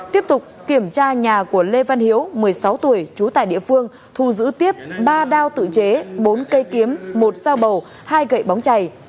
tiếp tục kiểm tra nhà của lê văn hiếu một mươi sáu tuổi trú tại địa phương thu giữ tiếp ba đao tự chế bốn cây kiếm một dao bầu hai gậy bóng chảy